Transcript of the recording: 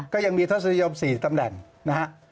ก็ยังมีทศนิยม๔ตำแหน่งนะฮะ